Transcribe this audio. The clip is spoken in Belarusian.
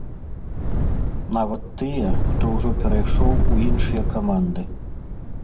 Нават тыя, хто ўжо перайшоў у іншыя каманды.